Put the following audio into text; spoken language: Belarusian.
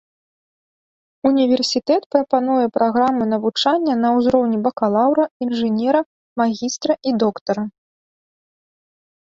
Універсітэт прапануе праграмы навучання на ўзроўні бакалаўра, інжынера, магістра і доктара.